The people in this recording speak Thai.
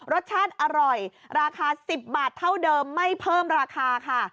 รสชาติอร่อยราคา๑๐บาทเท่าเดิมไม่เพิ่มราคาค่ะ